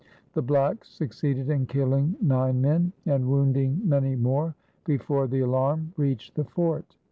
The blacks succeeded in killing nine men and wounding many more before the alarm reached the fort.